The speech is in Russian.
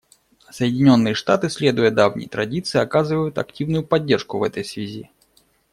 Соединенные Штаты, следуя давней традиции, оказывают активную поддержку в этой связи.